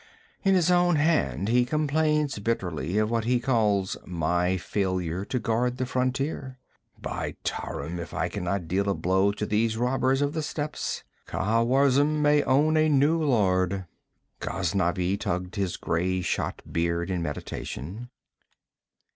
'In his own hand he complains bitterly of what he calls my failure to guard the frontier. By Tarim, if I can not deal a blow to these robbers of the steppes, Khawarizm may own a new lord.' Ghaznavi tugged his gray shot beard in meditation.